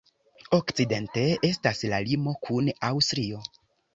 Okcidente estas la limo kun Aŭstrio.